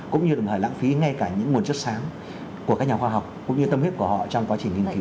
cũng như đồng thời lãng phí ngay cả những nguồn chất sáng của các nhà khoa học cũng như tâm huyết của họ trong quá trình nghiên cứu